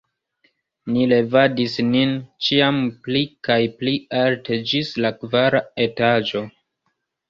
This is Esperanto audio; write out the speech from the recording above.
Ni levadis nin ĉiam pli kaj pli alte ĝis la kvara etaĝo.